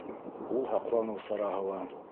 Ул һаҡланыу сараһы ла.